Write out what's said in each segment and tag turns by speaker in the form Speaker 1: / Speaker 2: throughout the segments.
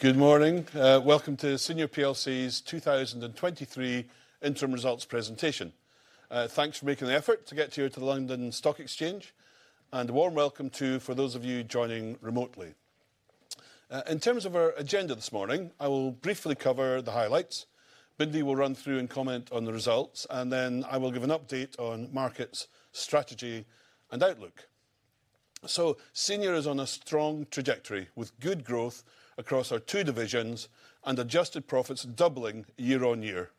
Speaker 1: Good morning. Welcome to Senior PLC's 2023 interim results presentation. Thanks for making the effort to get here to the London Stock Exchange, a warm welcome, too, for those of you joining remotely. In terms of our agenda this morning, I will briefly cover the highlights. Bindi will run through and comment on the results, I will give an update on markets, strategy, and outlook. Senior is on a strong trajectory, with good growth across our two divisions and adjusted profits doubling year-on-year.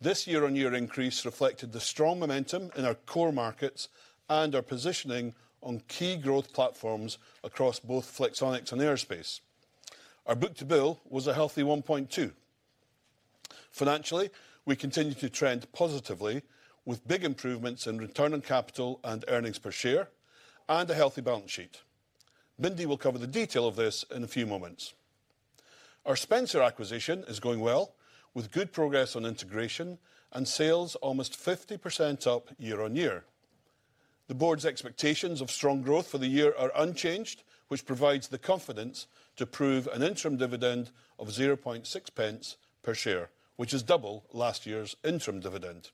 Speaker 1: This year-on-year increase reflected the strong momentum in our core markets and our positioning on key growth platforms across both Flexonics and Aerospace. Our book-to-bill was a healthy 1.2. Financially, we continue to trend positively with big improvements in return on capital and earnings per share and a healthy balance sheet. Bindi will cover the detail of this in a few moments. Our Spencer acquisition is going well, with good progress on integration and sales almost 50% up year-on-year. The board's expectations of strong growth for the year are unchanged, which provides the confidence to prove an interim dividend of 0.6 per share, which is double last year's interim dividend.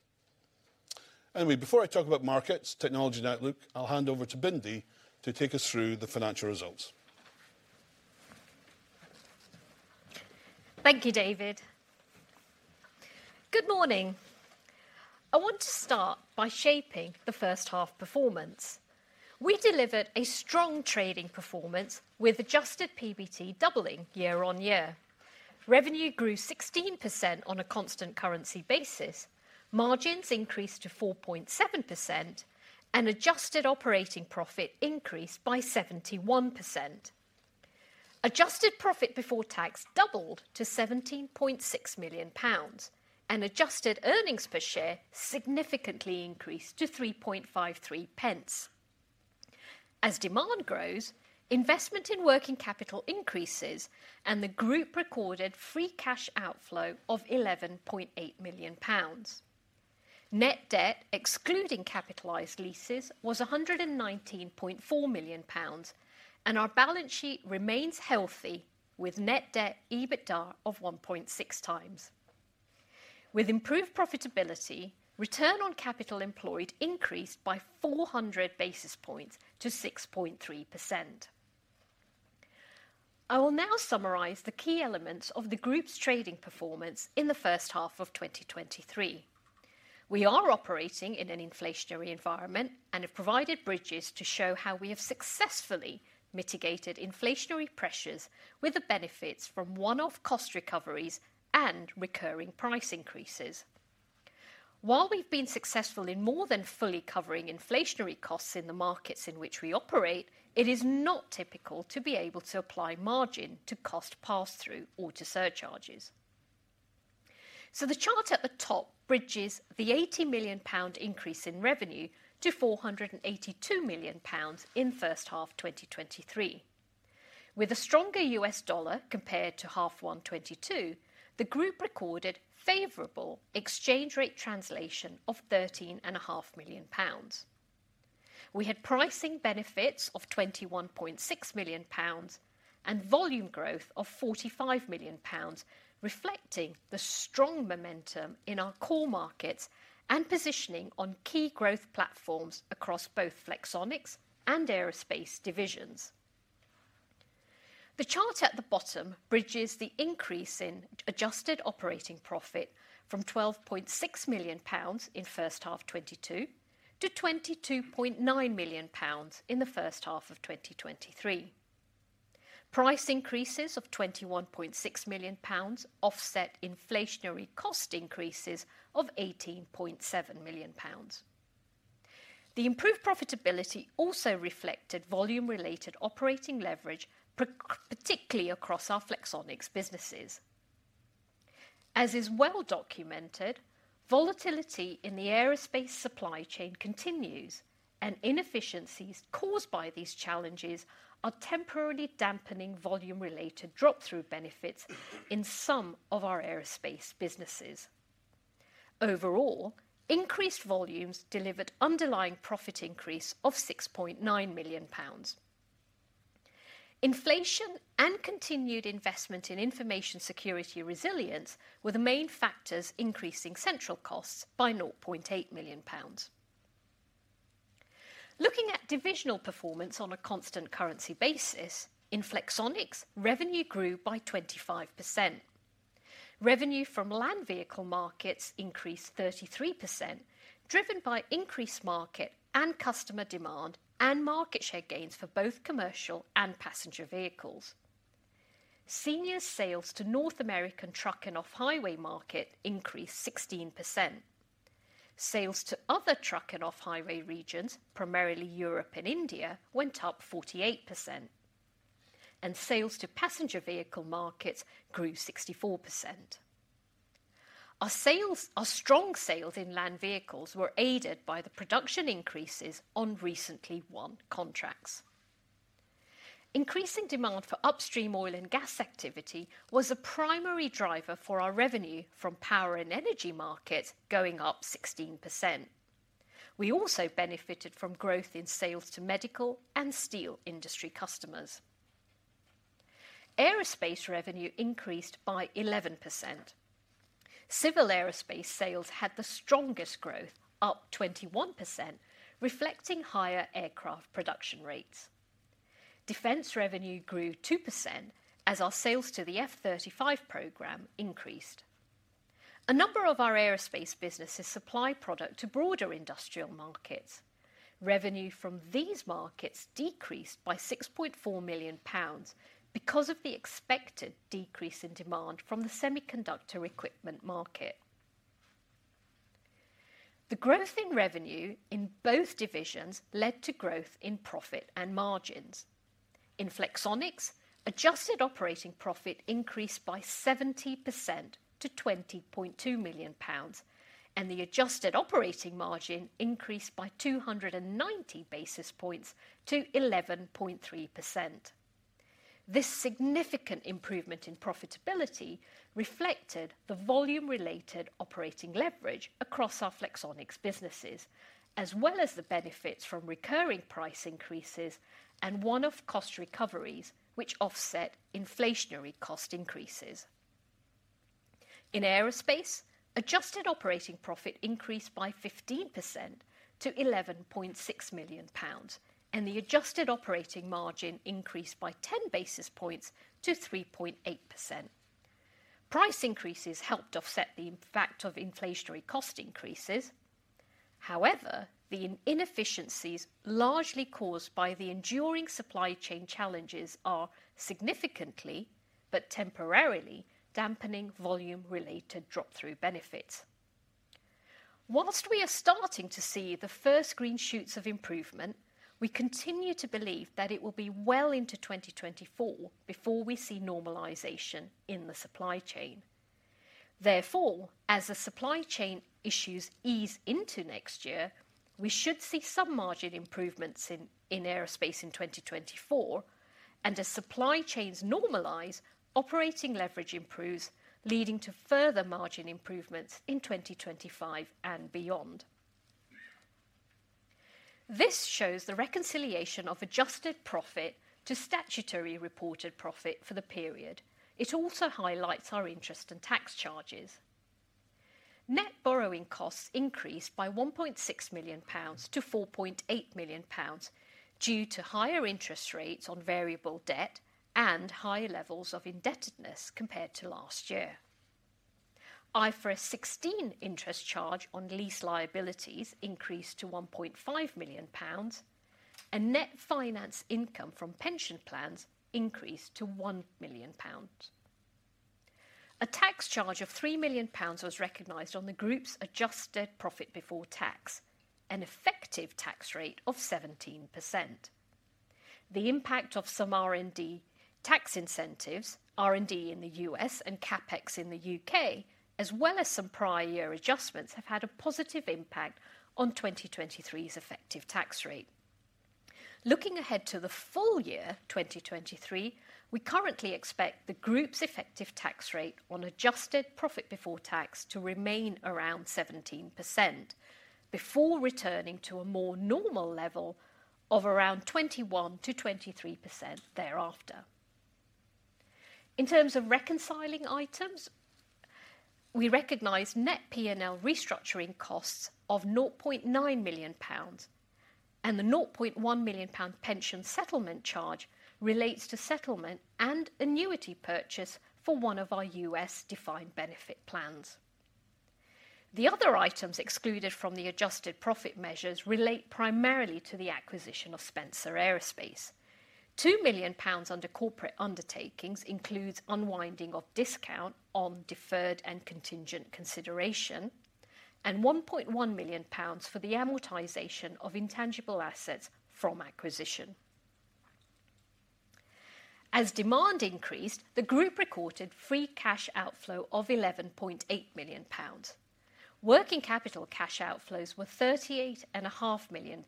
Speaker 1: Anyway, before I talk about markets, technology and outlook, I'll hand over to Bindi to take us through the financial results.
Speaker 2: Thank you, David. Good morning. I want to start by shaping the first half performance. We delivered a strong trading performance with adjusted PBT doubling year on year. Revenue grew 16% on a constant currency basis, margins increased to 4.7%, and adjusted operating profit increased by 71%. Adjusted profit before tax doubled to GBP 17.6 million, and adjusted earnings per share significantly increased to 3.53. As demand grows, investment in working capital increases, and the group recorded free cash outflow of GBP 11.8 million. Net debt, excluding capitalized leases, was GBP 119.4 million, and our balance sheet remains healthy, with net debt EBITDA of 1.6x. With improved profitability, return on capital employed increased by 400 basis points to 6.3%. I will now summarize the key elements of the group's trading performance in the first half of 2023. We are operating in an inflationary environment and have provided bridges to show how we have successfully mitigated inflationary pressures with the benefits from one-off cost recoveries and recurring price increases. While we've been successful in more than fully covering inflationary costs in the markets in which we operate, it is not typical to be able to apply margin to cost pass-through or to surcharges. The chart at the top bridges the 80 million pound increase in revenue to 482 million pounds in first half 2023. With a stronger US dollar compared to half 1 2022, the group recorded favorable exchange rate translation of 13.5 million pounds. We had pricing benefits of 21.6 million pounds and volume growth of 45 million pounds, reflecting the strong momentum in our core markets and positioning on key growth platforms across both Flexonics and Aerospace divisions. The chart at the bottom bridges the increase in adjusted operating profit from 12.6 million pounds in first half 2022 to 22.9 million pounds in the first half of 2023. Price increases of 21.6 million pounds offset inflationary cost increases of 18.7 million pounds. The improved profitability also reflected volume-related operating leverage, particularly across our Flexonics businesses. Volatility in the Aerospace supply chain continues, and inefficiencies caused by these challenges are temporarily dampening volume-related drop-through benefits in some of our Aerospace businesses. Increased volumes delivered underlying profit increase of 6.9 million pounds. Inflation and continued investment in information security resilience were the main factors increasing central costs by 0.8 million pounds. Looking at divisional performance on a constant currency basis, in Flexonics, revenue grew by 25%. Revenue from land vehicle markets increased 33%, driven by increased market and customer demand and market share gains for both commercial and passenger vehicles. Senior sales to North American truck and off-highway market increased 16%. Sales to other truck and off-highway regions, primarily Europe and India, went up 48%. Sales to passenger vehicle markets grew 64%. Our strong sales in land vehicles were aided by the production increases on recently won contracts. Increasing demand for upstream oil and gas activity was a primary driver for our revenue from power and energy markets, going up 16%. We also benefited from growth in sales to medical and steel industry customers. Aerospace revenue increased by 11%. Civil Aerospace sales had the strongest growth, up 21%, reflecting higher aircraft production rates. Defense revenue grew 2% as our sales to the F-35 program increased. A number of our Aerospace businesses supply product to broader industrial markets. Revenue from these markets decreased by 6.4 million pounds because of the expected decrease in demand from the semiconductor equipment market. The growth in revenue in both divisions led to growth in profit and margins. In Flexonics, adjusted operating profit increased by 70% to 20.2 million pounds, and the adjusted operating margin increased by 290 basis points to 11.3%. This significant improvement in profitability reflected the volume-related operating leverage across our Flexonics businesses, as well as the benefits from recurring price increases and one-off cost recoveries, which offset inflationary cost increases. In Aerospace, adjusted operating profit increased by 15% to 11.6 million pounds, and the adjusted operating margin increased by 10 basis points to 3.8%. Price increases helped offset the impact of inflationary cost increases. However, the inefficiencies, largely caused by the enduring supply chain challenges, are significantly but temporarily dampening volume-related drop-through benefits. While we are starting to see the first green shoots of improvement, we continue to believe that it will be well into 2024 before we see normalization in the supply chain. Therefore, as the supply chain issues ease into next year, we should see some margin improvements in Aerospace in 2024, and as supply chains normalize, operating leverage improves, leading to further margin improvements in 2025 and beyond. This shows the reconciliation of adjusted profit to statutory reported profit for the period. It also highlights our interest and tax charges. Net borrowing costs increased by 1.6 million pounds to 4.8 million pounds due to higher interest rates on variable debt and higher levels of indebtedness compared to last year. IFRS 16 interest charge on lease liabilities increased to 1.5 million pounds, and net finance income from pension plans increased to 1 million pounds. A tax charge of 3 million pounds was recognized on the group's adjusted profit before tax, an effective tax rate of 17%. The impact of some R&D tax incentives, R&D in the U.S. and CapEx in the U.K., as well as some prior year adjustments, have had a positive impact on 2023's effective tax rate. Looking ahead to the full year 2023, we currently expect the group's effective tax rate on adjusted profit before tax to remain around 17%, before returning to a more normal level of around 21%-23% thereafter. In terms of reconciling items, we recognize net P&L restructuring costs of 0.9 million pounds, and the 0.1 million pound pension settlement charge relates to settlement and annuity purchase for one of our U.S. defined benefit plans. The other items excluded from the adjusted profit measures relate primarily to the acquisition of Spencer Aerospace. 2 million pounds under corporate undertakings includes unwinding of discount on deferred and contingent consideration, and 1.1 million pounds for the amortization of intangible assets from acquisition. As demand increased, the group recorded free cash outflow of GBP 11.8 million. Working capital cash outflows were GBP 38.5 million,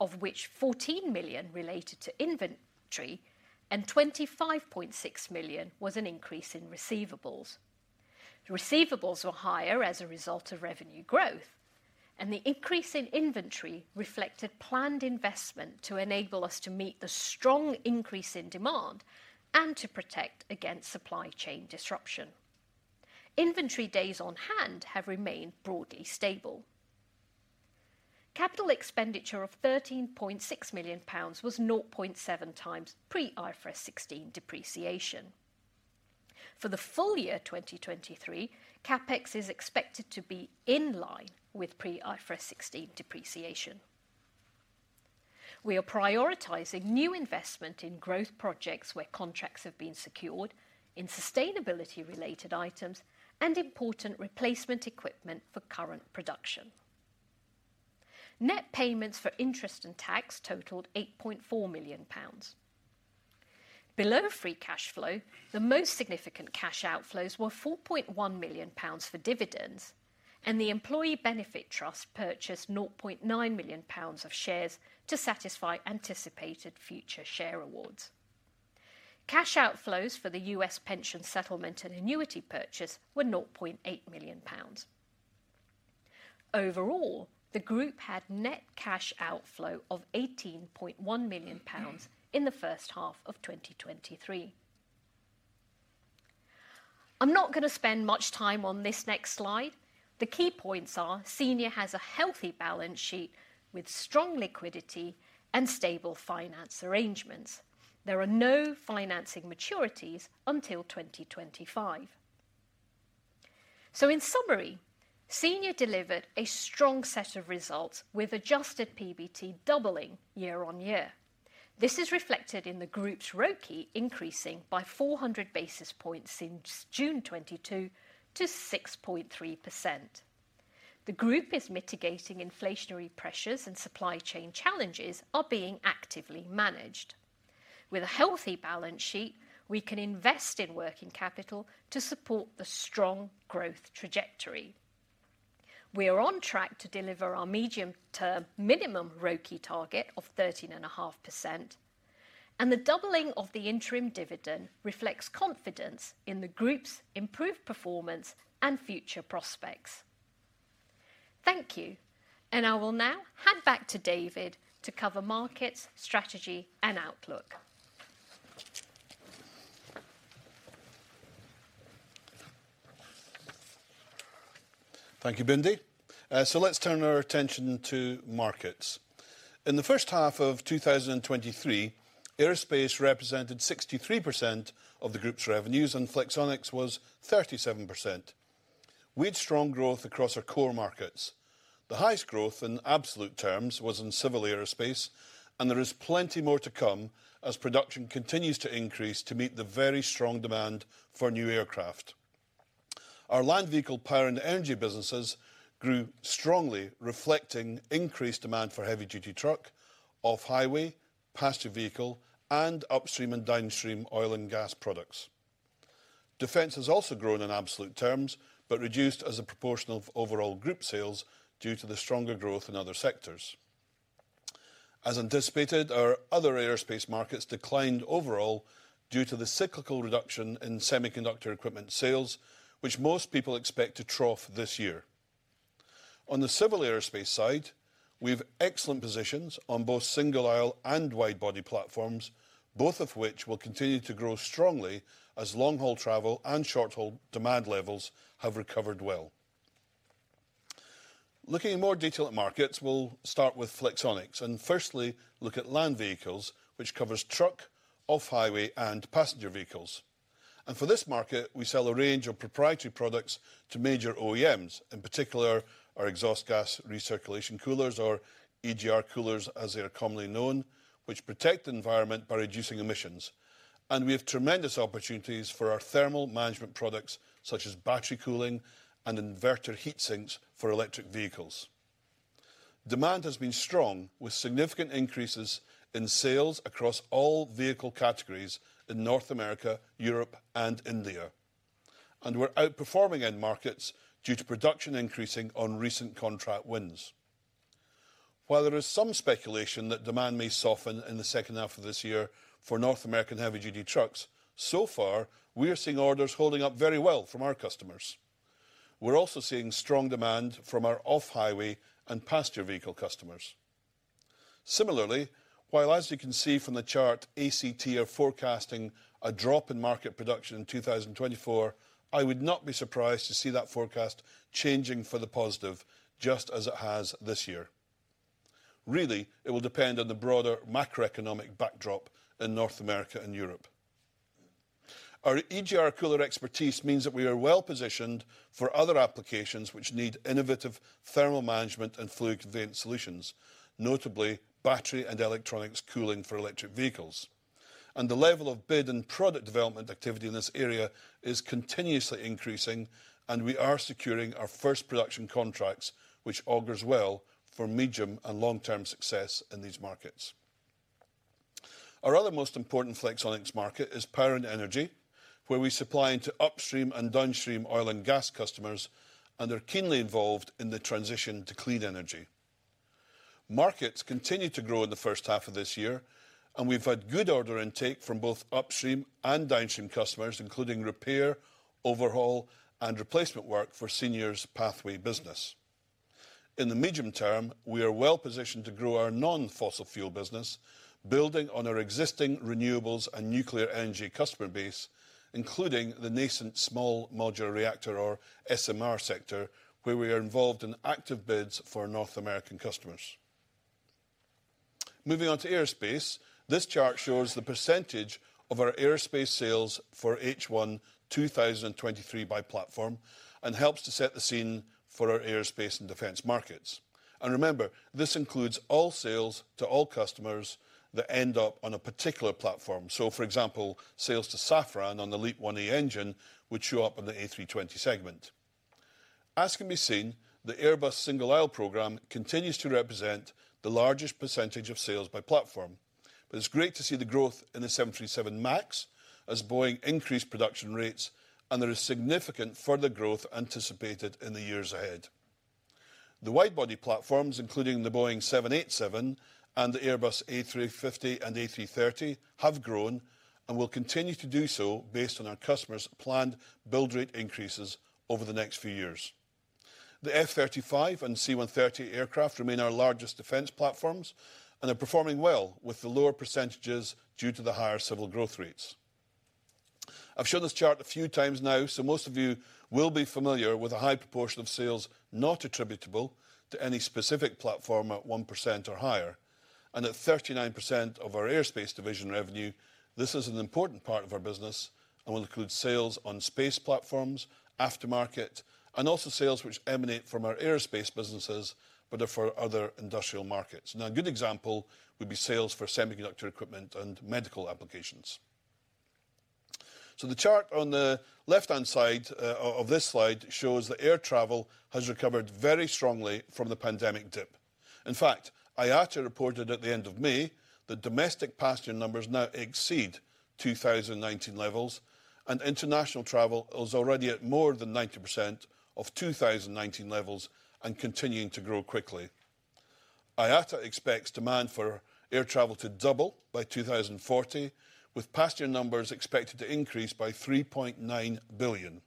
Speaker 2: of which GBP 14 million related to inventory and GBP 25.6 million was an increase in receivables. The receivables were higher as a result of revenue growth, and the increase in inventory reflected planned investment to enable us to meet the strong increase in demand and to protect against supply chain disruption. Inventory days on hand have remained broadly stable. Capital expenditure of GBP 13.6 million was 0.7x pre-IFRS 16 depreciation. For the full year 2023, CapEx is expected to be in line with pre-IFRS 16 depreciation. We are prioritizing new investment in growth projects where contracts have been secured, in sustainability-related items and important replacement equipment for current production. Net payments for interest and tax totaled 8.4 million pounds. Below free cash flow, the most significant cash outflows were 4.1 million pounds for dividends, and the employee benefit trust purchased 0.9 million pounds of shares to satisfy anticipated future share awards. Cash outflows for the U.S. pension settlement and annuity purchase were 0.8 million pounds. Overall, the group had net cash outflow of 18.1 million pounds in the first half of 2023. I'm not gonna spend much time on this next slide. The key points are: Senior has a healthy balance sheet with strong liquidity and stable finance arrangements. There are no financing maturities until 2025. In summary, Senior delivered a strong set of results with adjusted PBT doubling year-on-year. This is reflected in the group's ROCE increasing by 400 basis points since June 2022 to 6.3%. The group is mitigating inflationary pressures, and supply chain challenges are being actively managed. With a healthy balance sheet, we can invest in working capital to support the strong growth trajectory. We are on track to deliver our medium-term minimum ROCE target of 13.5%, and the doubling of the interim dividend reflects confidence in the group's improved performance and future prospects. Thank you, and I will now hand back to David to cover markets, strategy, and outlook.
Speaker 1: Thank you, Bindi. Let's turn our attention to markets. In the first half of 2023, Aerospace represented 63% of the group's revenues, and Flexonics was 37%. We had strong growth across our core markets. The highest growth in absolute terms was in civil Aerospace, and there is plenty more to come as production continues to increase to meet the very strong demand for new aircraft. Our land vehicle, power, and energy businesses grew strongly, reflecting increased demand for heavy-duty truck, off-highway, passenger vehicle, and upstream and downstream oil and gas products. Defense has also grown in absolute terms, but reduced as a proportion of overall group sales due to the stronger growth in other sectors. As anticipated, our other Aerospace markets declined overall due to the cyclical reduction in semiconductor equipment sales, which most people expect to trough this year. On the civil Aerospace side, we have excellent positions on both single-aisle and wide-body platforms, both of which will continue to grow strongly as long-haul travel and short-haul demand levels have recovered well. Looking in more detail at markets, we'll start with Flexonics and firstly look at land vehicles, which covers truck, off-highway, and passenger vehicles. For this market, we sell a range of proprietary products to major OEMs, in particular, our exhaust gas recirculation coolers or EGR coolers, as they are commonly known, which protect the environment by reducing emissions. We have tremendous opportunities for our thermal management products, such as battery cooling and inverter heat sinks for electric vehicles. Demand has been strong, with significant increases in sales across all vehicle categories in North America, Europe, and India, and we're outperforming end markets due to production increasing on recent contract wins. While there is some speculation that demand may soften in the second half of this year for North American heavy-duty trucks, so far, we are seeing orders holding up very well from our customers. We're also seeing strong demand from our off-highway and passenger vehicle customers. Similarly, while as you can see from the chart, ACT are forecasting a drop in market production in 2024, I would not be surprised to see that forecast changing for the positive, just as it has this year. Really, it will depend on the broader macroeconomic backdrop in North America and Europe. Our EGR cooler expertise means that we are well positioned for other applications which need innovative thermal management and fluid conveyance solutions, notably battery and electronics cooling for electric vehicles. The level of bid and product development activity in this area is continuously increasing, and we are securing our first production contracts, which augurs well for medium and long-term success in these markets. Our other most important Flexonics market is power and energy, where we supply into upstream and downstream oil and gas customers and are keenly involved in the transition to clean energy. Markets continued to grow in the first half of this year, and we've had good order intake from both upstream and downstream customers, including repair, overhaul, and replacement work for Senior's Pathway business. In the medium term, we are well positioned to grow our non-fossil fuel business, building on our existing renewables and nuclear energy customer base, including the nascent small modular reactor, or SMR, sector, where we are involved in active bids for North American customers. Moving on to Aerospace, this chart shows the percentage of our Aerospace sales for H1-2023 by platform and helps to set the scene for our Aerospace and defense markets. Remember, this includes all sales to all customers that end up on a particular platform. For example, sales to Safran on the LEAP-1A engine would show up in the A320 segment. As can be seen, the Airbus single-aisle program continues to represent the largest percentage of sales by platform, but it's great to see the growth in the 737 MAX as Boeing increased production rates, and there is significant further growth anticipated in the years ahead. The wide body platforms, including the Boeing 787 and the Airbus A350 and A330, have grown and will continue to do so based on our customers' planned build rate increases over the next few years. The F-35 and C-130 aircraft remain our largest defense platforms and are performing well, with the lower percentages due to the higher civil growth rates. I've shown this chart a few times now, so most of you will be familiar with the high proportion of sales not attributable to any specific platform at 1% or higher. At 39% of our Aerospace division revenue, this is an important part of our business and will include sales on space platforms, aftermarket, and also sales which emanate from our Aerospace businesses, but are for other industrial markets. A good example would be sales for semiconductor equipment and medical applications. The chart on the left-hand side of this slide shows that air travel has recovered very strongly from the pandemic dip. In fact, IATA reported at the end of May that domestic passenger numbers now exceed 2019 levels, and international travel is already at more than 90% of 2019 levels and continuing to grow quickly. IATA expects demand for air travel to double by 2040, with passenger numbers expected to increase by 3.9 billion.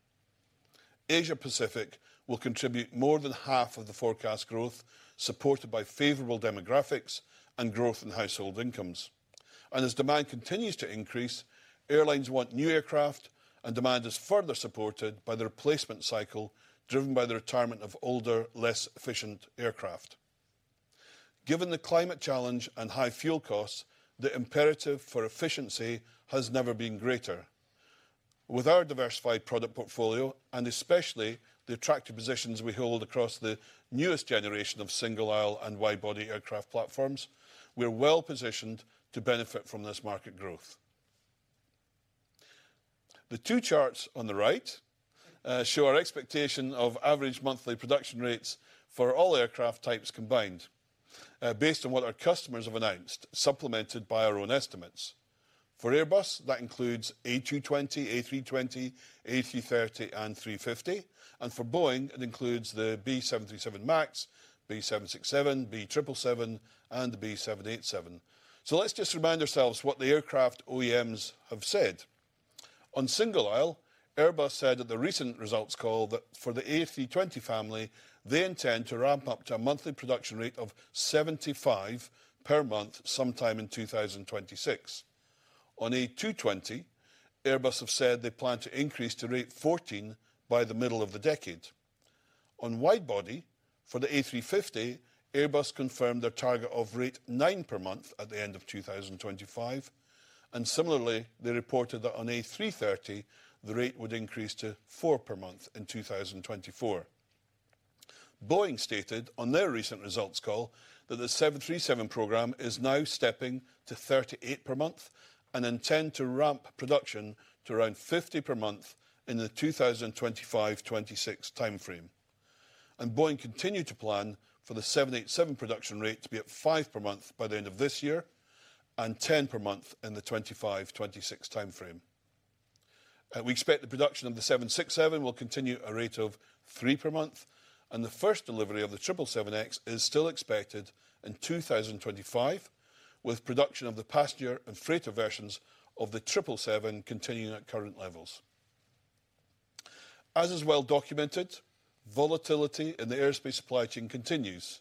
Speaker 1: Asia Pacific will contribute more than half of the forecast growth, supported by favorable demographics and growth in household incomes. As demand continues to increase, airlines want new aircraft, and demand is further supported by the replacement cycle, driven by the retirement of older, less efficient aircraft. Given the climate challenge and high fuel costs, the imperative for efficiency has never been greater. With our diversified product portfolio, especially the attractive positions we hold across the newest generation of single-aisle and wide-body aircraft platforms, we're well-positioned to benefit from this market growth. The two charts on the right show our expectation of average monthly production rates for all aircraft types combined, based on what our customers have announced, supplemented by our own estimates. For Airbus, that includes A220, A320, A330, and A350. For Boeing, it includes the 737 MAX, 767, 777, and the 787. Let's just remind ourselves what the aircraft OEMs have said. On single-aisle, Airbus said at the recent results call that for the A320 family, they intend to ramp up to a monthly production rate of 75 per month sometime in 2026. On A220, Airbus have said they plan to increase to rate 14 by the middle of the decade. On wide body, for the A350, Airbus confirmed their target of rate 9 per month at the end of 2025. Similarly, they reported that on A330, the rate would increase to 4 per month in 2024. Boeing stated on their recent results call that the 737 program is now stepping to 38 per month and intend to ramp production to around 50 per month in the 2025-2026 timeframe. Boeing continued to plan for the 787 production rate to be at 5 per month by the end of this year and 10 per month in the 2025-2026 timeframe. We expect the production of the 767 will continue a rate of 3 per month, and the first delivery of the 777X is still expected in 2025, with production of the passenger and freighter versions of the 777 continuing at current levels. As is well documented, volatility in the Aerospace supply chain continues.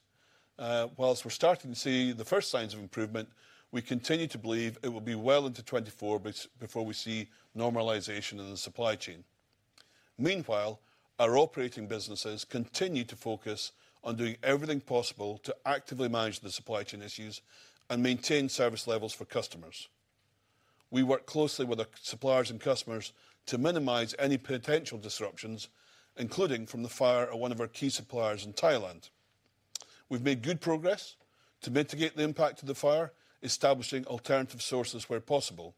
Speaker 1: Whilst we're starting to see the first signs of improvement, we continue to believe it will be well into 2024 before we see normalization in the supply chain. Meanwhile, our operating businesses continue to focus on doing everything possible to actively manage the supply chain issues and maintain service levels for customers. We work closely with our suppliers and customers to minimize any potential disruptions, including from the fire at one of our key suppliers in Thailand. We've made good progress to mitigate the impact of the fire, establishing alternative sources where possible,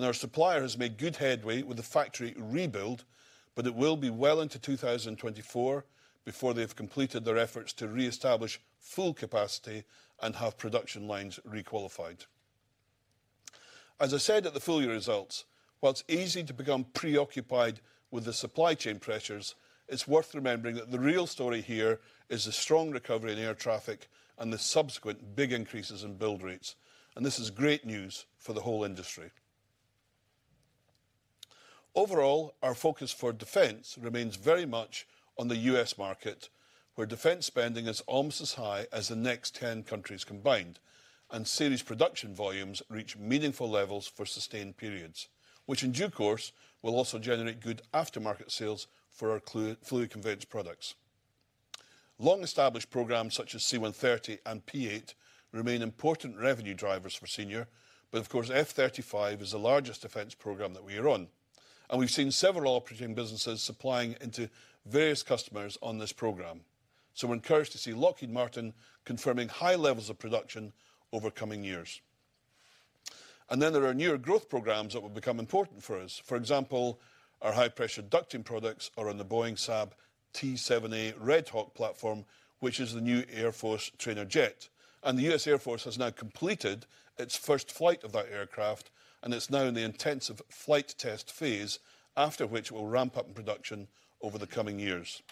Speaker 1: and our supplier has made good headway with the factory rebuild, but it will be well into 2024 before they've completed their efforts to reestablish full capacity and have production lines requalified. As I said at the full year results, whilst easy to become preoccupied with the supply chain pressures, it's worth remembering that the real story here is the strong recovery in air traffic and the subsequent big increases in build rates. This is great news for the whole industry. Overall, our focus for defense remains very much on the U.S. market, where defense spending is almost as high as the next 10 countries combined, and series production volumes reach meaningful levels for sustained periods, which in due course, will also generate good aftermarket sales for our fluid conveyance products. Long-established programs such as C-130 and P-8 remain important revenue drivers for Senior. Of course, F-35 is the largest defense program that we are on, and we've seen several operating businesses supplying into various customers on this program. We're encouraged to see Lockheed Martin confirming high levels of production over coming years. Then there are newer growth programs that will become important for us. For example, our high-pressure ducting products are on the Boeing-Saab T-7A Red Hawk platform, which is the new Air Force trainer jet. The US Air Force has now completed its first flight of that aircraft, it's now in the intensive flight test phase, after which it will ramp up in production over the coming years.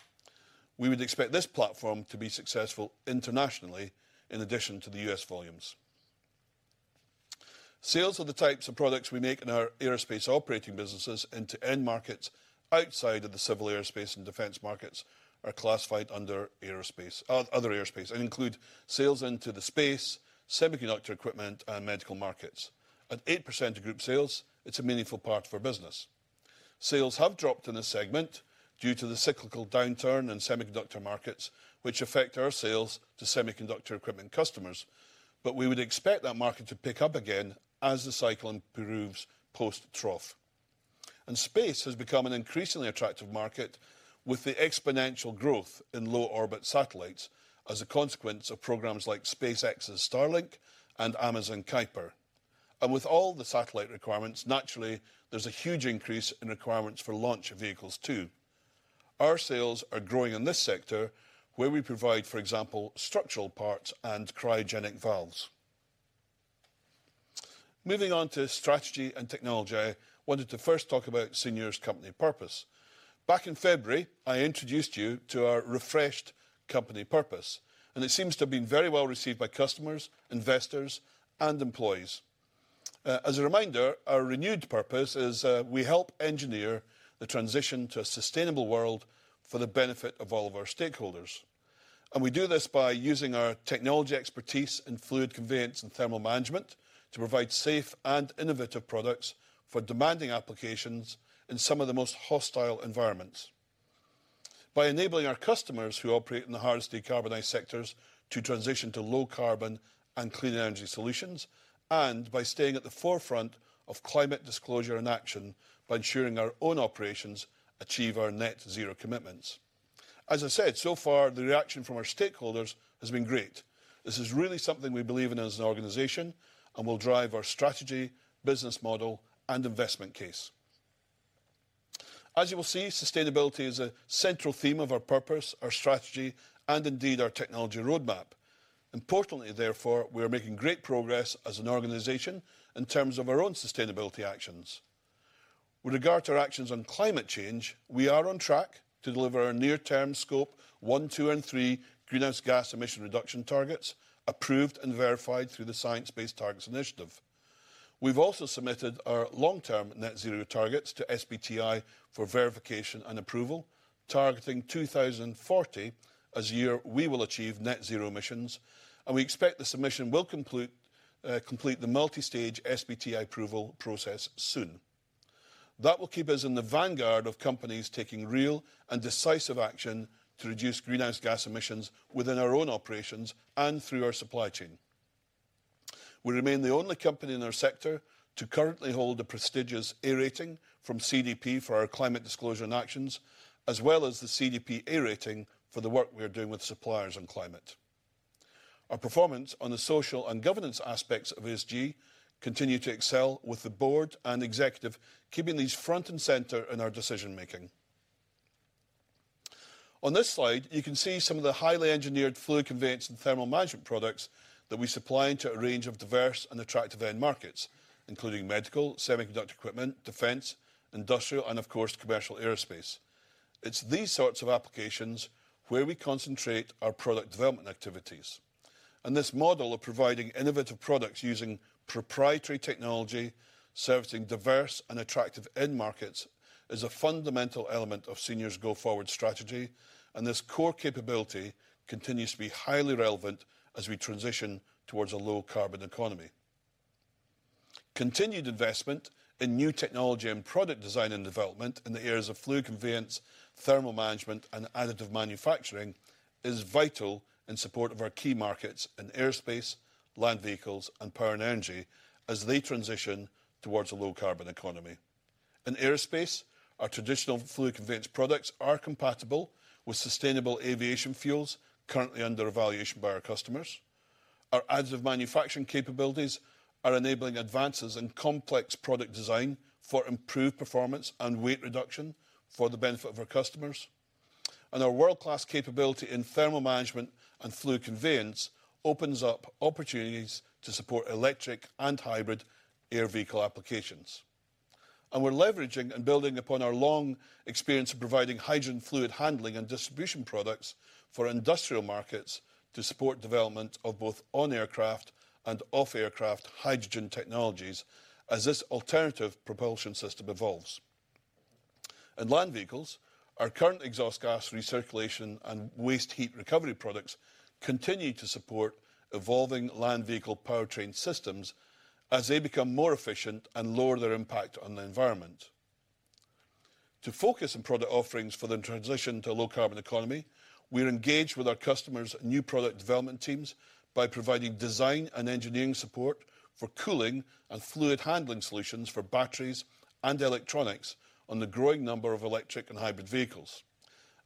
Speaker 1: We would expect this platform to be successful internationally in addition to the US volumes. Sales of the types of products we make in our Aerospace operating businesses into end markets outside of the civil Aerospace and defense markets are classified under Aerospace, other Aerospace, and include sales into the space, semiconductor equipment, and medical markets. At 8% of group sales, it's a meaningful part of our business. Sales have dropped in this segment due to the cyclical downturn in semiconductor markets, which affect our sales to semiconductor equipment customers, but we would expect that market to pick up again as the cycle improves post-trough. Space has become an increasingly attractive market, with the exponential growth in low-orbit satellites as a consequence of programs like SpaceX's Starlink and Amazon Kuiper. With all the satellite requirements, naturally, there's a huge increase in requirements for launch vehicles, too. Our sales are growing in this sector, where we provide, for example, structural parts and cryogenic valves. Moving on to strategy and technology, I wanted to first talk about Senior's company purpose. Back in February, I introduced you to our refreshed company purpose, and it seems to have been very well received by customers, investors, and employees. As a reminder, our renewed purpose is, we help engineer the transition to a sustainable world for the benefit of all of our stakeholders. We do this by using our technology expertise in fluid conveyance and thermal management to provide safe and innovative products for demanding applications in some of the most hostile environments, by enabling our customers who operate in the hardest to decarbonize sectors to transition to low carbon and clean energy solutions, and by staying at the forefront of climate disclosure and action by ensuring our own operations achieve our net zero commitments. As I said, so far, the reaction from our stakeholders has been great. This is really something we believe in as an organization and will drive our strategy, business model, and investment case. As you will see, sustainability is a central theme of our purpose, our strategy, and indeed, our technology roadmap. Importantly, therefore, we are making great progress as an organization in terms of our own sustainability actions. With regard to our actions on climate change, we are on track to deliver our near-term Scope 1, 2, and 3 greenhouse gas emission reduction targets, approved and verified through the Science Based Targets initiative. We've also submitted our long-term net zero targets to SBTi for verification and approval, targeting 2040 as the year we will achieve net zero emissions, and we expect the submission will conclude, complete the multi-stage SBTi approval process soon. That will keep us in the vanguard of companies taking real and decisive action to reduce greenhouse gas emissions within our own operations and through our supply chain. We remain the only company in our sector to currently hold a prestigious A rating from CDP for our climate disclosure and actions, as well as the CDP A rating for the work we are doing with suppliers on climate. Our performance on the social and governance aspects of ESG continue to excel, with the board and executive keeping these front and center in our decision-making. On this slide, you can see some of the highly engineered fluid conveyance and thermal management products that we supply into a range of diverse and attractive end markets, including medical, semiconductor equipment, defense, industrial, and of course, commercial Aerospace. It's these sorts of applications where we concentrate our product development activities, and this model of providing innovative products using proprietary technology, servicing diverse and attractive end markets, is a fundamental element of Senior's go-forward strategy, and this core capability continues to be highly relevant as we transition towards a low-carbon economy. Continued investment in new technology and product design and development in the areas of fluid conveyance, thermal management, and additive manufacturing is vital in support of our key markets in Aerospace, land vehicles, and power and energy as they transition towards a low-carbon economy. In Aerospace, our traditional fluid conveyance products are compatible with sustainable aviation fuels currently under evaluation by our customers. Our additive manufacturing capabilities are enabling advances in complex product design for improved performance and weight reduction for the benefit of our customers. Our world-class capability in thermal management and fluid conveyance opens up opportunities to support electric and hybrid air vehicle applications. We're leveraging and building upon our long experience of providing hydrogen fluid handling and distribution products for industrial markets to support development of both on-aircraft and off-aircraft hydrogen technologies as this alternative propulsion system evolves. In land vehicles, our current exhaust gas recirculation and waste heat recovery products continue to support evolving land vehicle powertrain systems as they become more efficient and lower their impact on the environment. To focus on product offerings for the transition to a low-carbon economy, we are engaged with our customers' new product development teams by providing design and engineering support for cooling and fluid handling solutions for batteries and electronics on the growing number of electric and hybrid vehicles.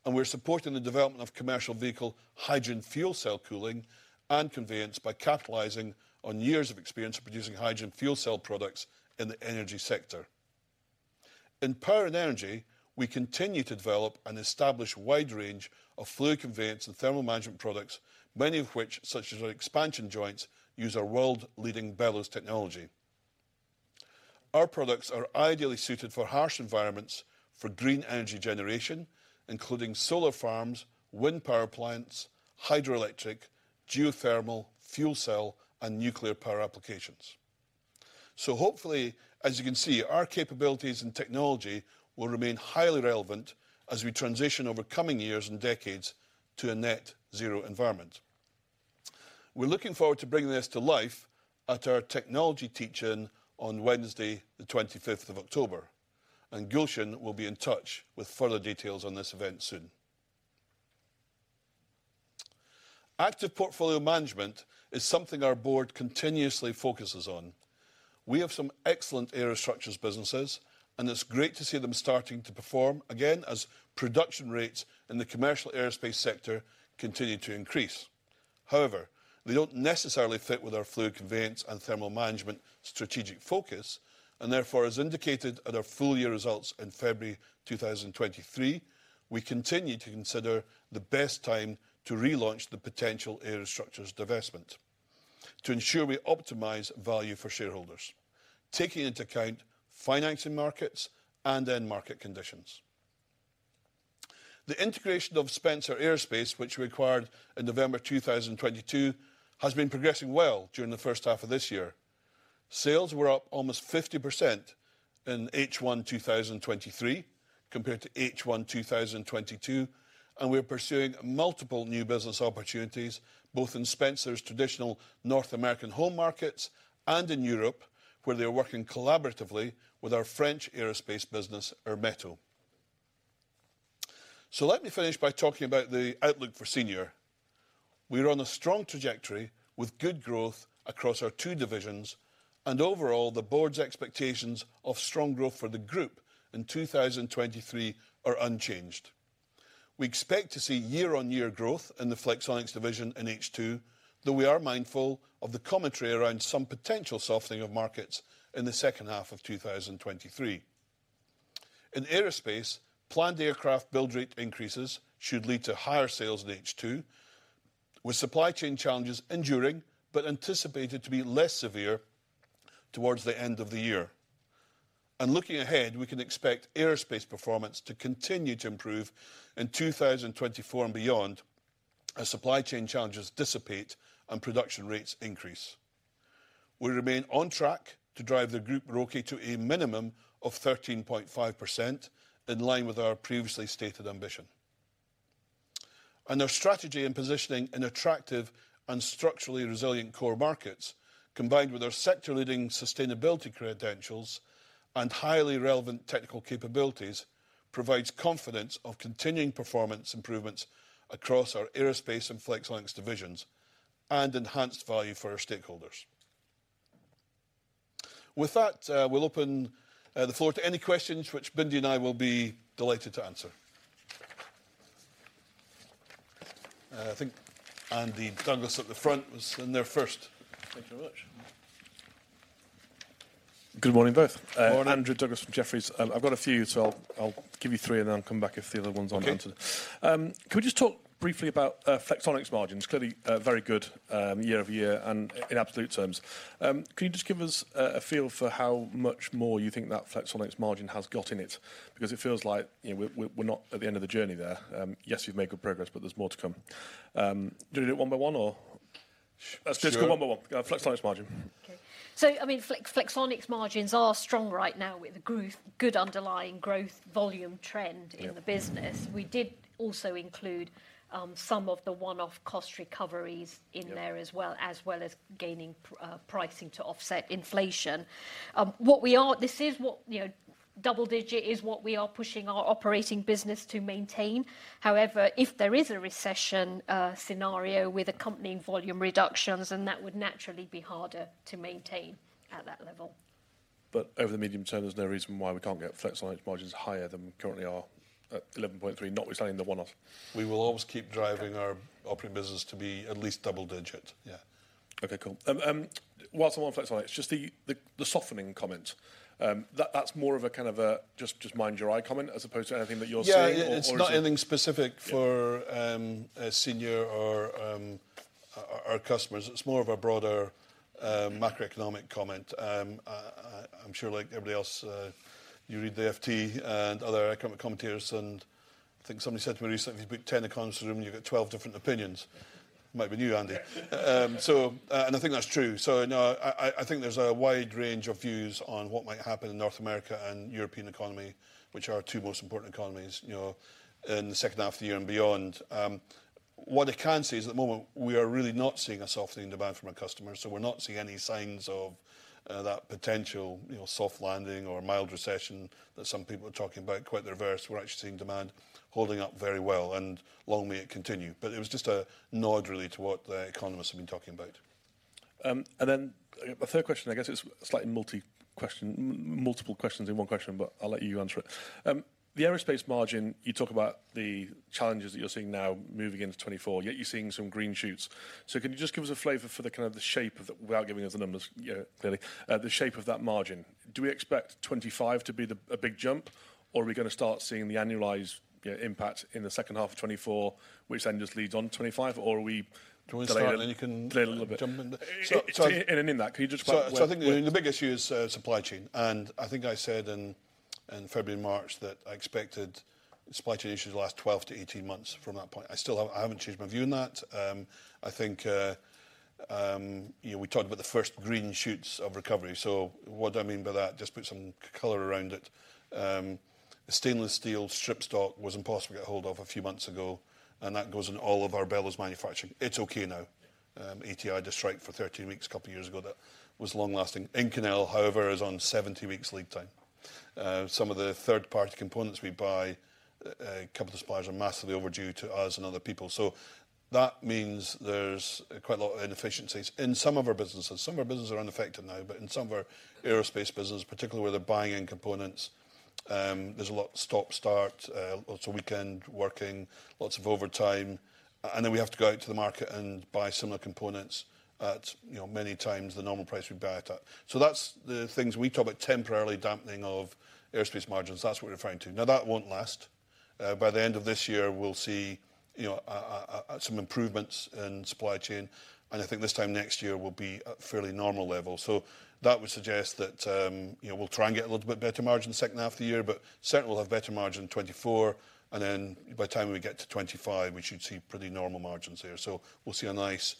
Speaker 1: We're supporting the development of commercial vehicle hydrogen fuel cell cooling and conveyance by capitalizing on years of experience of producing hydrogen fuel cell products in the energy sector. In power and energy, we continue to develop and establish a wide range of fluid conveyance and thermal management products, many of which, such as our expansion joints, use our world-leading bellows technology. Our products are ideally suited for harsh environments for green energy generation, including solar farms, wind power plants, hydroelectric, geothermal, fuel cell, and nuclear power applications. Hopefully, as you can see, our capabilities and technology will remain highly relevant as we transition over coming years and decades to a net zero environment. We're looking forward to bringing this to life at our technology teach-in on Wednesday, the 25th of October, and Gulcin will be in touch with further details on this event soon. Active portfolio management is something our board continuously focuses on. We have some excellent aerostructures businesses, and it's great to see them starting to perform again as production rates in the commercial Aerospace sector continue to increase. However, they don't necessarily fit with our fluid conveyance and thermal management strategic focus, and therefore, as indicated at our full year results in February 2023, we continue to consider the best time to relaunch the potential aerostructures divestment to ensure we optimize value for shareholders, taking into account financing markets and end market conditions. The integration of Spencer Aerospace, which we acquired in November 2022, has been progressing well during the first half of this year. Sales were up almost 50% in H1 2023, compared to H1 2022. We are pursuing multiple new business opportunities, both in Spencer's traditional North American home markets and in Europe, where they are working collaboratively with our French Aerospace business, Ermeto. Let me finish by talking about the outlook for Senior. We are on a strong trajectory with good growth across our two divisions. Overall, the board's expectations of strong growth for the group in 2023 are unchanged. We expect to see year-on-year growth in the Flexonics division in H2, though we are mindful of the commentary around some potential softening of markets in the second half of 2023. In Aerospace, planned aircraft build rate increases should lead to higher sales in H2, with supply chain challenges enduring but anticipated to be less severe towards the end of the year. Looking ahead, we can expect Aerospace performance to continue to improve in 2024 and beyond as supply chain challenges dissipate and production rates increase. We remain on track to drive the group ROCE to a minimum of 13.5%, in line with our previously stated ambition. Our strategy and positioning in attractive and structurally resilient core markets, combined with our sector-leading sustainability credentials and highly relevant technical capabilities, provides confidence of continuing performance improvements across our Aerospace and Flexonics divisions and enhanced value for our stakeholders. With that, we'll open the floor to any questions, which Bindi and I will be delighted to answer. I think Andy Douglas at the front was in there first. Thank you very much.
Speaker 3: Good morning, both.
Speaker 1: Morning.
Speaker 3: Andrew Douglas from Jefferies. I've got a few, so I'll, I'll give you 3, and then I'll come back if the other ones aren't answered.
Speaker 1: Okay.
Speaker 3: Can we just talk briefly about Flexonics margins? Clearly, very good, year-over-year and in absolute terms. Can you just give us a feel for how much more you think that Flexonics margin has got in it? Because it feels like, you know, we're, we're, we're not at the end of the journey there. Yes, you've made good progress, but there's more to come. Do you want to do it one by one or... Let's just go one by one.
Speaker 1: Sure.
Speaker 3: Flexonics margin.
Speaker 2: Okay. I mean, Flexonics margins are strong right now with a good underlying growth volume trend in the business. We did also include, some of the one-off cost recoveries in there as well, as well as gaining pricing to offset inflation. This is what, you know, double-digit is what we are pushing our operating business to maintain. However, if there is a recession, scenario with accompanying volume reductions, then that would naturally be harder to maintain at that level.
Speaker 3: Over the medium term, there's no reason why we can't get Flexonics margins higher than we currently are at 11.3%, not withstanding the one-off.
Speaker 1: We will always keep driving our operating business to be at least double digit. Yeah.
Speaker 3: Okay, cool. whilst on Flexonics, just the, the, the softening comment, that, that's more of a kind of a just, just mind your eye comment, as opposed to anything that you're seeing or.
Speaker 1: Yeah, it's not anything specific-for a Senior or our customers. It's more of a broader macroeconomic comment. I, I'm sure like everybody else, you read the FT and other economic commentators, and I think somebody said to me recently, "If you put 10 economists in a room, you get 12 different opinions." Might have been you, Andy.I think that's true. No, I, I, I think there's a wide range of views on what might happen in North America and European economy, which are our two most important economies, you know, in the second half of the year and beyond. What I can say is, at the moment, we are really not seeing a softening demand from our customers, so we're not seeing any signs of that potential, you know, soft landing or mild recession that some people are talking about. Quite the reverse, we're actually seeing demand holding up very well, and long may it continue. It was just a nod, really, to what the economists have been talking about.
Speaker 3: A third question, I guess it's slightly multi-question multiple questions in one question, but I'll let you answer it. The Aerospace margin, you talk about the challenges that you're seeing now moving into 2024, yet you're seeing some green shoots. Can you just give us a flavor for the kind of the shape of the... without giving us the numbers, you know, clearly, the shape of that margin? Do we expect 2025 to be the a big jump, or are we gonna start seeing the annualized impact in the second half of 2024, which then just leads on to 2025?
Speaker 1: I think the big issue is supply chain. I think I said in February, March, that I expected supply chain issues to last 12 to 18 months from that point. I haven't changed my view on that. I think, you know, we talked about the first green shoots of recovery. What do I mean by that? Just put some color around it. Stainless steel strip stock was impossible to get a hold of a few months ago, and that goes in all of our bellows manufacturing. It's okay now. ATI did strike for 13 weeks a couple of years ago, that was long lasting. Inconel, however, is on 70 weeks lead time. Some of the third-party components we buy, a couple of suppliers are massively overdue to us and other people. That means there's quite a lot of inefficiencies in some of our businesses. Some of our businesses are unaffected now, in some of our Aerospace business, particularly where they're buying in components, there's a lot of stop, start, lots of weekend working, lots of overtime, and then we have to go out to the market and buy similar components at, you know, many times the normal price we buy it at. That's the things we talk about temporarily dampening of Aerospace margins. That's what we're referring to. That won't last. By the end of this year, we'll see, you know, some improvements in supply chain, and I think this time next year, we'll be at fairly normal levels. That would suggest that, you know, we'll try and get a little bit better margin the second half of the year, but certainly, we'll have better margin in 2024, and then by the time we get to 2025, we should see pretty normal margins here. We'll see a nice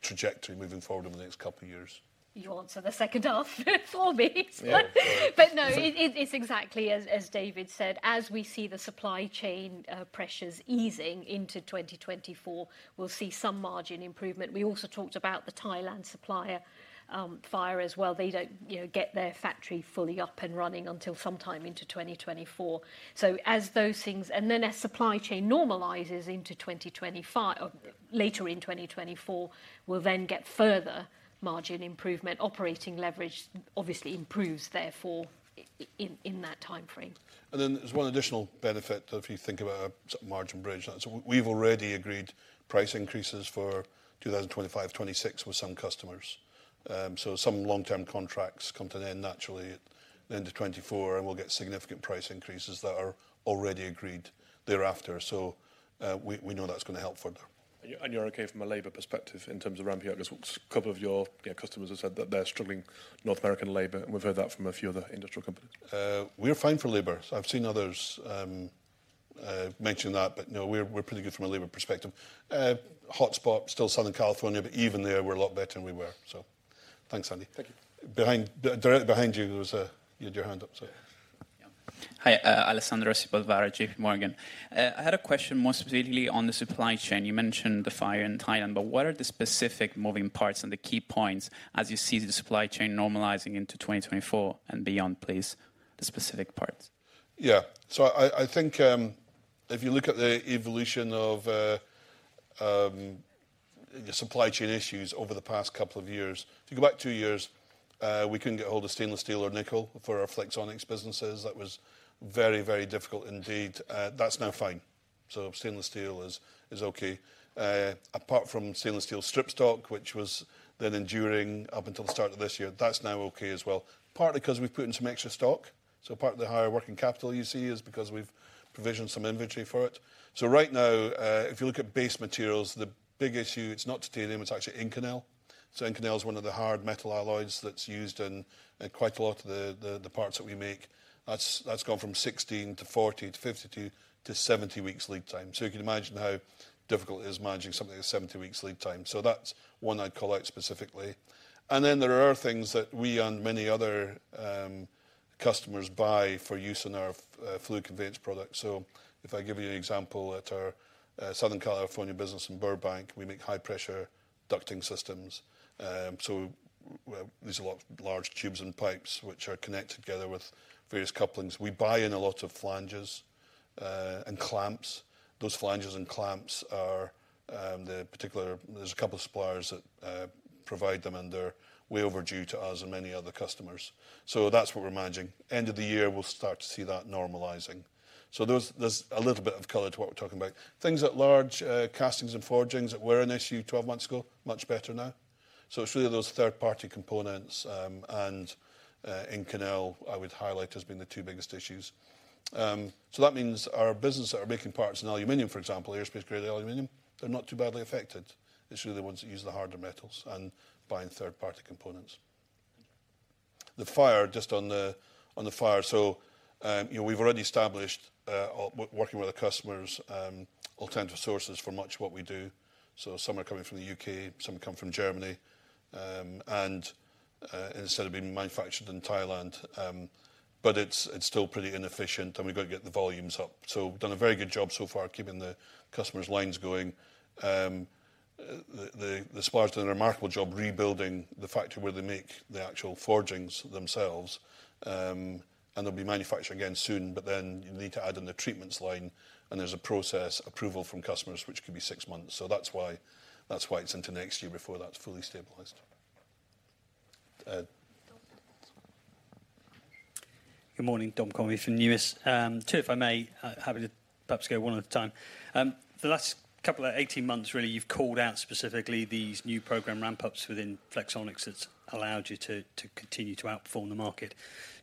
Speaker 1: trajectory moving forward over the next couple of years.
Speaker 2: You answered the second half for me.
Speaker 1: Yeah.
Speaker 2: No, it, it, it's exactly as, as David said, as we see the supply chain pressures easing into 2024, we'll see some margin improvement. We also talked about the Thailand supplier fire as well. They don't, you know, get their factory fully up and running until sometime into 2024. As those things-- as supply chain normalizes into 2025, or later in 2024, we'll then get further margin improvement. Operating leverage obviously improves, therefore, in that timeframe.
Speaker 1: There's one additional benefit if you think about a margin bridge. We've already agreed price increases for 2025, 2026 with some customers. Some long-term contracts come to an end naturally at the end of 2024, and we'll get significant price increases that are already agreed thereafter. We know that's going to help further.
Speaker 3: You're okay from a labor perspective in terms of ramping up? Because a couple of your, you know, customers have said that they're struggling, North American labor, and we've heard that from a few other industrial companies.
Speaker 1: We're fine for labor. I've seen others mention that, but no, we're, we're pretty good from a labor perspective. Hotspot, still Southern California, but even there, we're a lot better than we were. Thanks, Andy.
Speaker 3: Thank you.
Speaker 1: Behind, directly behind you, there was a. You had your hand up, so.
Speaker 4: Yeah. Hi, Alessandro Cinquegrani, JP Morgan. I had a question more specifically on the supply chain. You mentioned the fire in Thailand, what are the specific moving parts and the key points as you see the supply chain normalizing into 2024 and beyond, please? The specific parts.
Speaker 1: Yeah. I, I think, if you look at the evolution of the supply chain issues over the past 2 years, if you go back 2 years, we couldn't get a hold of stainless steel or nickel for our Flexonics businesses. That was very, very difficult indeed. That's now fine. Stainless steel is, is okay. Apart from stainless steel strip stock, which was then enduring up until the start of this year. That's now okay as well, partly because we've put in some extra stock. Part of the higher working capital you see is because we've provisioned some inventory for it. Right now, if you look at base materials, the big issue, it's not titanium, it's actually Inconel. Inconel is one of the hard metal alloys that's used in quite a lot of the parts that we make. That's gone from 16 to 40 to 52 to 70 weeks lead time. You can imagine how difficult it is managing something with 70 weeks lead time. That's one I'd call out specifically. There are things that we and many other customers buy for use in our fluid conveyance products. If I give you an example, at our Southern California business in Burbank, we make high-pressure ducting systems. These are large tubes and pipes which are connected together with various couplings. We buy in a lot of flanges and clamps. Those flanges and clamps are the particular... There's a couple of suppliers that provide them, and they're way overdue to us and many other customers. That's what we're managing. End of the year, we'll start to see that normalising. There's, there's a little bit of color to what we're talking about. Things at large, castings and forgings that were an issue 12 months ago, much better now. It's really those third-party components, and Inconel, I would highlight as being the two biggest issues. That means our businesses that are making parts in aluminum, for example, Aerospace-grade aluminum, they're not too badly affected. It's really the ones that use the harder metals and buying third-party components. The fire, just on the, on the fire. You know, we've already established working with the customers, alternative sources for much of what we do. Some are coming from the UK, some come from Germany, and instead of being manufactured in Thailand, but it's still pretty inefficient, and we've got to get the volumes up. We've done a very good job so far keeping the customers' lines going. The, the, the suppliers doing a remarkable job rebuilding the factory where they make the actual forgings themselves, and they'll be manufacturing again soon, but then you need to add in the treatments line, and there's a process approval from customers, which could be 6 months. That's why, that's why it's into next year before that's fully stabilized.
Speaker 5: Good morning. Dominic Conway from Numis. Two, if I may, happy to perhaps go one at a time. The last couple of 18 months, really, you've called out specifically these new program ramp-ups within Flexonics that's allowed you to, to continue to outperform the market.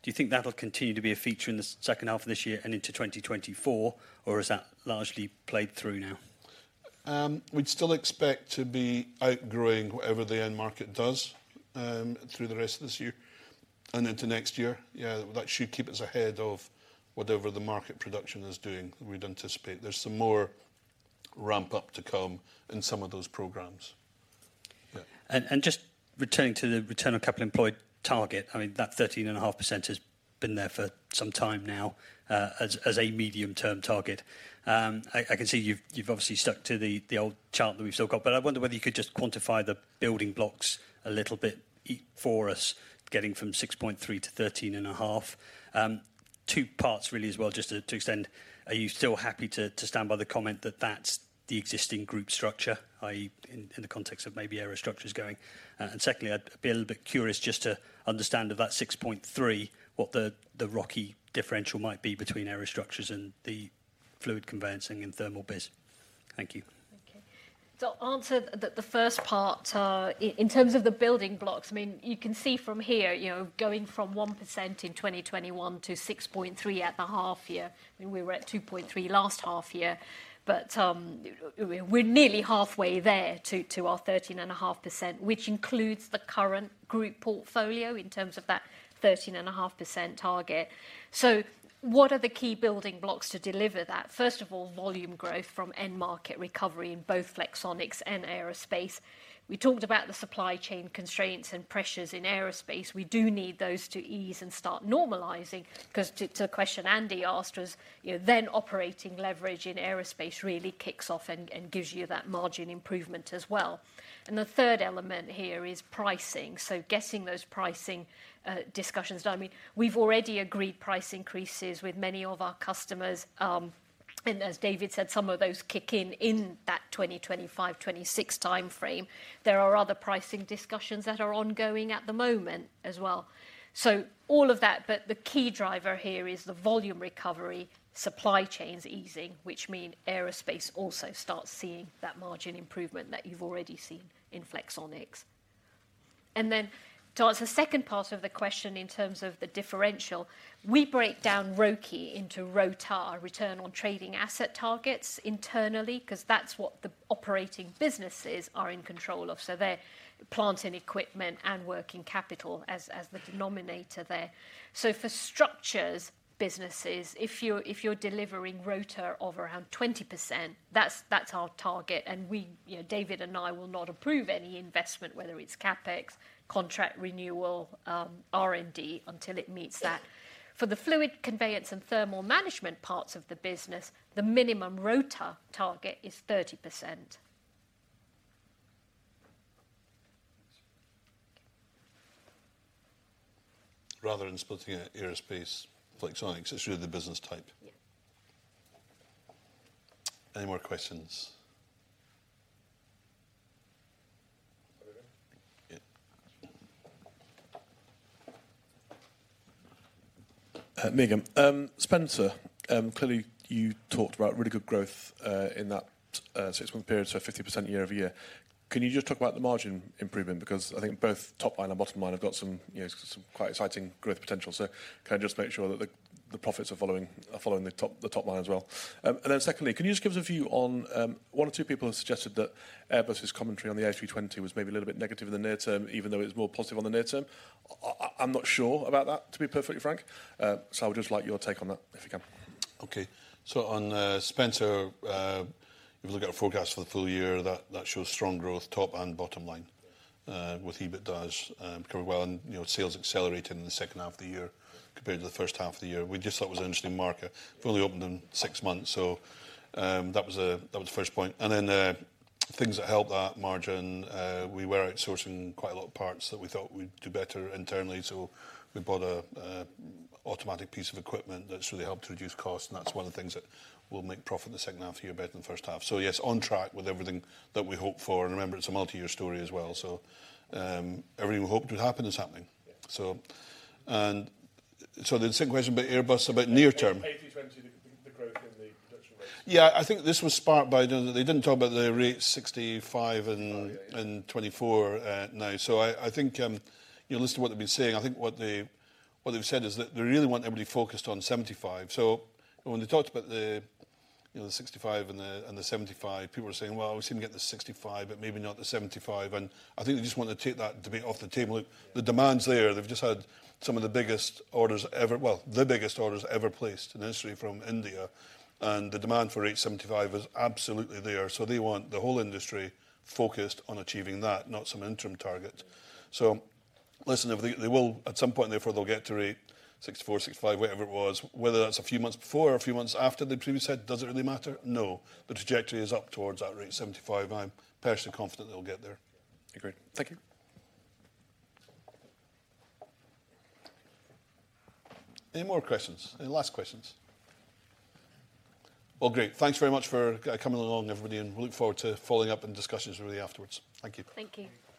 Speaker 5: Do you think that'll continue to be a feature in the second half of this year and into 2024, or is that largely played through now?...
Speaker 1: we'd still expect to be outgrowing whatever the end market does, through the rest of this year and into next year. Yeah, that should keep us ahead of whatever the market production is doing. We'd anticipate there's some more ramp up to come in some of those programs. Yeah.
Speaker 5: Just returning to the return on capital employed target, I mean, that 13.5% has been there for some time now, as a medium-term target. I, I can see you've, you've obviously stuck to the, the old chart that we've still got. I wonder whether you could just quantify the building blocks a little bit for us, getting from 6.3% to 13.5%. Two parts really as well, just to, to extend. Are you still happy to, to stand by the comment that that's the existing group structure, i.e, in, in the context of maybe Aerostructures going? Secondly, I'd be a little bit curious just to understand of that 6.3%, what the, the ROCE differential might be between Aerostructures and the Fluid Conveyance and Thermal biz. Thank you.
Speaker 2: Okay. To answer the first part, in terms of the building blocks, I mean, you can see from here, you know, going from 1% in 2021 to 6.3 at the half year, I mean, we were at 2.3 last half year. We're nearly halfway there to our 13.5%, which includes the current group portfolio in terms of that 13.5% target. What are the key building blocks to deliver that? First of all, volume growth from end market recovery in both Flexonics and Aerospace. We talked about the supply chain constraints and pressures in Aerospace. We do need those to ease and start normalizing, 'cause to, to the question Andy asked was, you know, then operating leverage in Aerospace really kicks off and, and gives you that margin improvement as well. The third element here is pricing, so getting those pricing discussions done. I mean, we've already agreed price increases with many of our customers. As David said, some of those kick in in that 2025, 2026 timeframe. There are other pricing discussions that are ongoing at the moment as well. All of that, but the key driver here is the volume recovery, supply chains easing, which mean Aerospace also starts seeing that margin improvement that you've already seen in Flexonics. To answer the second part of the question in terms of the differential, we break down ROCE into ROTAR, Return on Trading Assets targets internally, 'cause that's what the operating businesses are in control of. They're plant and equipment and working capital as, as the denominator there. For structures businesses, if you're, if you're delivering ROTAR of around 20%, that's, that's our target. We, you know, David and I will not approve any investment, whether it's CapEx, contract renewal, R&D, until it meets that. For the Fluid Conveyance and Thermal Management parts of the business, the minimum ROTAR target is 30%.
Speaker 1: Rather than splitting it Aerospace, Flexonics, it's really the business type.
Speaker 5: Yeah.
Speaker 1: Any more questions?
Speaker 3: Over here.
Speaker 1: Yeah.
Speaker 3: Meagan. Spencer, clearly, you talked about really good growth in that 6-month period, so 50% year-over-year. Can you just talk about the margin improvement? I think both top line and bottom line have got some, you know, some quite exciting growth potential. Can I just make sure that the, the profits are following, are following the top, the top line as well? Secondly, can you just give us a view on 1 or 2 people have suggested that Airbus's commentary on the A320 was maybe a little bit negative in the near term, even though it's more positive on the near term. I'm not sure about that, to be perfectly frank. I would just like your take on that, if you can.
Speaker 1: Okay. On Spencer, if you look at our forecast for the full year, that, that shows strong growth, top and bottom line, with EBITDAs covering well and, you know, sales accelerating in the second half of the year compared to the first half of the year. We just thought it was an interesting market. It fully opened in six months, that was the first point. Things that helped that margin, we were outsourcing quite a lot of parts that we thought we'd do better internally, so we bought a, a automatic piece of equipment that's really helped to reduce costs, and that's one of the things that will make profit in the second half of the year better than the first half. Yes, on track with everything that we hoped for. Remember, it's a multi-year story as well. Everything we hoped would happen is happening.
Speaker 3: Yeah.
Speaker 1: The second question about Airbus, about near term.
Speaker 3: A320, the growth in the production rates.
Speaker 1: Yeah, I think this was sparked by the. They didn't talk about the rate 65 and.
Speaker 3: 5, yeah....
Speaker 1: and 24 now. I, I think, you know, listen to what they've been saying, I think what they, what they've said is that they really want everybody focused on 75. When they talked about the, you know, the 65 and the, and the 75, people were saying, "Well, we seem to get the 65, but maybe not the 75." I think they just want to take that debate off the table.
Speaker 3: Yeah.
Speaker 1: The demand's there. They've just had some of the biggest orders ever well, the biggest orders ever placed in the history from India, and the demand for rate 75 is absolutely there. They want the whole industry focused on achieving that, not some interim target. So listen, if they, they will, at some point, therefore, they'll get to rate 64, 65, whatever it was. Whether that's a few months before or a few months after the previous head, does it really matter? No. The trajectory is up towards that rate 75. I'm personally confident they'll get there.
Speaker 3: Agreed. Thank you.
Speaker 1: Any more questions? Any last questions? Well, great. Thanks very much for coming along, everybody, and we look forward to following up and discussions with you afterwards. Thank you.
Speaker 2: Thank you.
Speaker 3: Thank you.